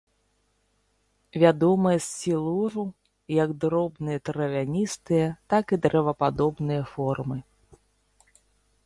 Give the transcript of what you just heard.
Вядомыя з сілуру, як дробныя травяністыя, так і дрэвападобныя формы.